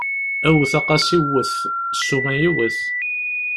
Wwet a qasi wwet, ssuma yiwet!